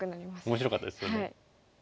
面白かったですけども。